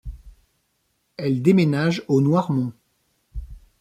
Elle déménage au Noirmont.